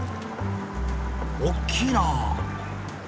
おっきいなあ。